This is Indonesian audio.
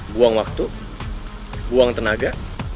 buang waktu buang tenaga